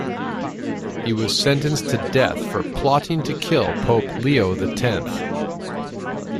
He was sentenced to death for plotting to kill Pope Leo the Tenth.